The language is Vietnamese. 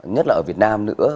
nhất là ở việt nam nữa